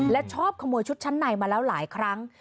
และชอบขโมยชุดชั้นในมาแล้วหลายครั้ง